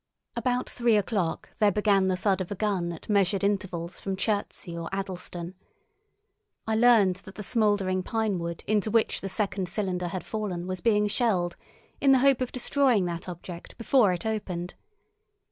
About three o'clock there began the thud of a gun at measured intervals from Chertsey or Addlestone. I learned that the smouldering pine wood into which the second cylinder had fallen was being shelled, in the hope of destroying that object before it opened.